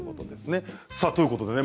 さあということでね